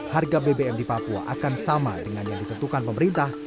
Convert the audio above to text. harga bbm di papua akan sama dengan yang ditentukan pemerintah